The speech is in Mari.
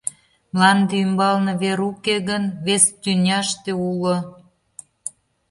Мланде ӱмбалне вер уке гын, вес тӱняште уло.